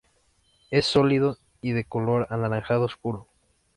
Es sólido y de color anaranjado oscuro.